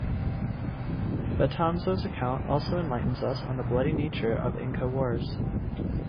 Betanzos's account also enlightens us on the bloody nature of Inca wars.